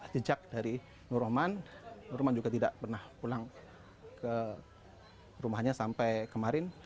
sejak dari nur rohman nur rohman juga tidak pernah pulang ke rumahnya sampai kemarin